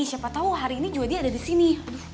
siapa tau hari ini dia juga ada disini